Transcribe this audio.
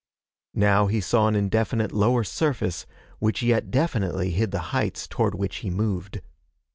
Now he saw an indefinite lower surface which yet definitely hid the heights toward which he moved.